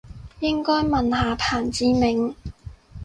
應該問下彭志銘